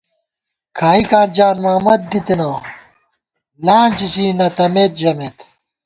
کھائیکاں جان محمد دِتنہ لانچ ژی نہ تَمېت ژَمېت